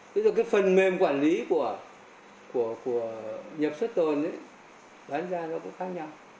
ví dụ cái phần mềm quản lý của nhập xuất tồn bán ra nó cũng khác nhau